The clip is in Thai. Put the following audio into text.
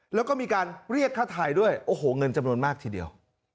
แล้วก็มีการเรียกค่าไทยด้วยโอ้โหเงินจำนวนมากทีเดียว